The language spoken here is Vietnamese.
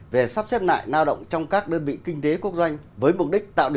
về sắp xếp lại nao động trong các đơn vị kinh tế quốc doanh